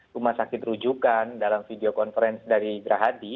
sembilan puluh sembilan rumah sakit rujukan dalam video conference dari grahadi